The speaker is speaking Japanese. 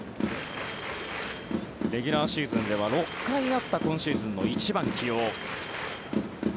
レギュラーシーズンでは６回あった今シーズンの１番起用。